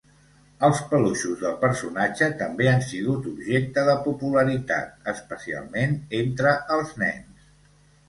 Els peluixos del personatge també han sigut objecte de popularitat, especialment entre els nens.